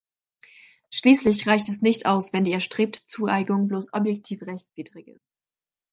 Schließlich reicht es nicht aus, wenn die erstrebte Zueignung bloß objektiv rechtswidrig ist.